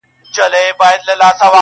نه دي پوښتنه ده له چا کړې!